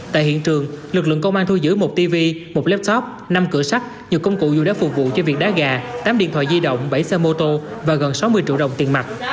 tại hiện trường lực lượng công an thu giữ một tv một laptop năm cửa sắt nhiều công cụ dù đã phục vụ cho việc đá gà tám điện thoại di động bảy xe mô tô và gần sáu mươi triệu đồng tiền mặt